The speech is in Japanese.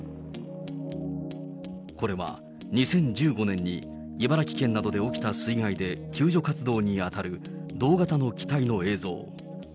これは２０１５年に茨城県などで起きた水害で救助活動に当たる同型の機体の映像。